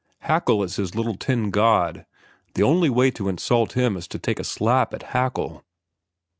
Haeckel is his little tin god. The only way to insult him is to take a slap at Haeckel."